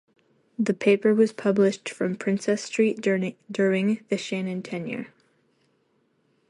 The paper was published from Princess Street during the Shannon tenure.